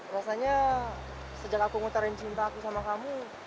rasanya sejak aku nguterin cinta aku sama kamu